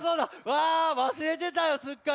わあわすれてたよすっかり。